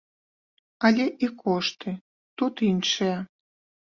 Але і кошты тут іншыя.